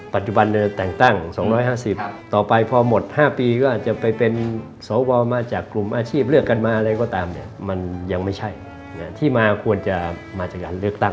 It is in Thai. ปัจจุบันแต่งตั้ง๒๕๐ต่อไปพอหมด๕ปีก็จะไปเป็นสวมาจากกลุ่มอาชีพเลือกกันมาอะไรก็ตามเนี่ยมันยังไม่ใช่ที่มาควรจะมาจากการเลือกตั้ง